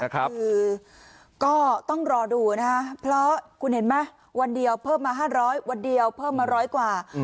คือก็ต้องรอดูนะคะเพราะคุณเห็นไหมวันเดียวเพิ่มมา๕๐๐วันเดียวเพิ่มมาร้อยกว่า